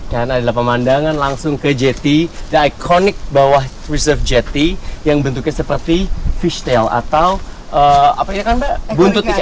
karena adalah pemandangan langsung ke jetty ikonik bawah reserve jetty yang bentuknya seperti fish tail atau buntut ikan ekor